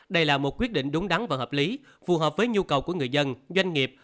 đây là một quyết định đúng đắn và hợp lý phù hợp với nhu cầu của người dân doanh nghiệp